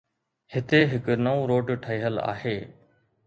هتي هڪ نئون روڊ ٺهيل آهي.